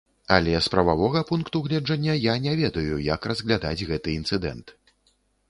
Але з прававога пункту гледжання я не ведаю, як разглядаць гэты інцыдэнт.